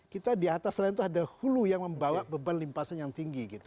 kita di atas lain itu ada hulu yang membawa beban limpasan yang tinggi gitu